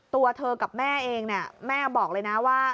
ตัวเธอกับแม่เองเนี่ยแม่บอกเลยนะว่า